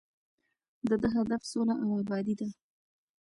د ده هدف سوله او ابادي ده.